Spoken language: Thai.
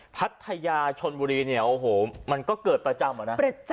พัทยาชนบุรีมันก็เกิดประจำ